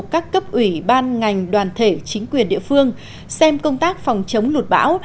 các cấp ủy ban ngành đoàn thể chính quyền địa phương xem công tác phòng chống lụt bão